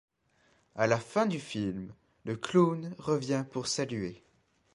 À la fin du film, le clown revient pour saluer.